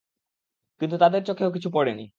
কিন্তু তাদের চোখেও কিছু পড়েনি।